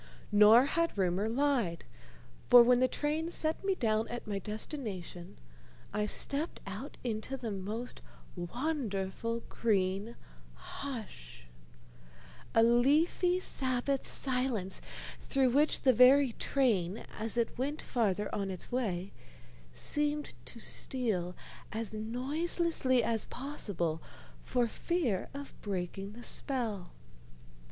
Nor had rumor lied, for when the train set me down at my destination I stepped out into the most wonderful green hush, a leafy Sabbath silence through which the very train, as it went farther on its way, seemed to steal as noiselessly as possible for fear of breaking the spell.